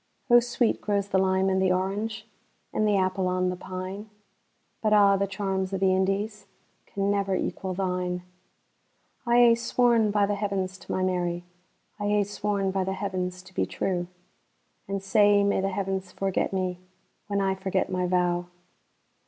O sweet grows the lime and the orange, And the apple on the pine; But a' the charms o' the IndiesCan never equal thine.I hae sworn by the Heavens to my Mary,I hae sworn by the Heavens to be true; And sae may the Heavens forget me, When I forget my vow!